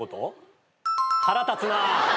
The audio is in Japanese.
腹立つな。